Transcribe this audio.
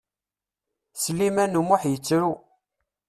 Sliman U Muḥ yettru.